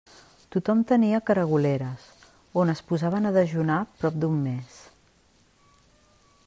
Tothom tenia caragoleres, on es posaven a dejunar prop d'un mes.